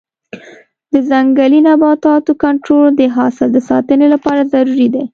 د ځنګلي نباتاتو کنټرول د حاصل د ساتنې لپاره ضروري دی.